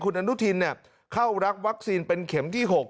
คุณอนุทินเข้ารับวัคซีนเป็นเข็มที่๖